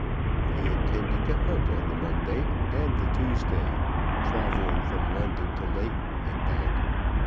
He intended to hunt on the Monday and the Tuesday, travelling from London to Leighton and back.